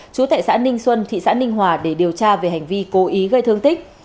chú tại xã ninh xuân thị xã ninh hòa để điều tra về hành vi cố ý gây thương tích